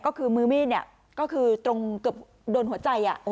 ก็คือมือมีดก็คือตรงเกือบโดนหัวใจ